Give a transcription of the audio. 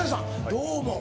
どうも。